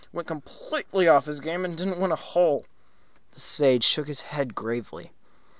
Went completely off his game and didn't win a hole." The Sage shook his head gravely.